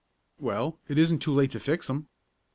"Well, it isn't too late to fix 'em."